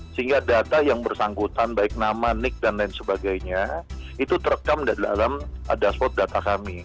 sehingga data yang bersangkutan baik nama nick dan lain sebagainya itu terekam dalam dashboard data kami